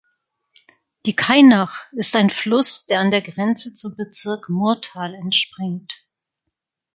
Die Kainach ist ein Fluss, der an der Grenze zum Bezirk Murtal entspringt.